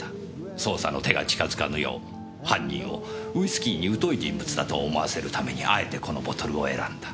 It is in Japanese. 捜査の手が近づかぬよう犯人をウイスキーに疎い人物だと思わせるためにあえてこのボトルを選んだ。